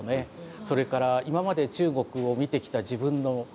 それから今まで中国を見てきた自分の甘さっていうか。